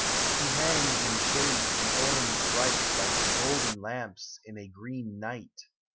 He hangs in shades the orange bright Like golden lamps in a green night.